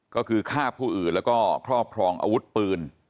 ก็คือฆ่าผู้อื่นแล้วก็ครอบครองอาวุธปืน